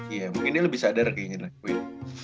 iya mungkin dia lebih sadar kayak ngelakuin